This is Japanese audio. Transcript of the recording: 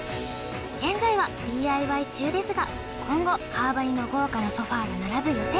現在はＤＩＹ中ですが今後革張りの豪華なソファーが並ぶ予定！